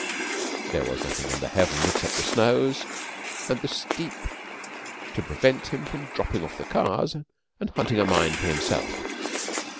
There was nothing under heaven except the snows and the steep to prevent him from dropping off the cars and hunting a mine for himself.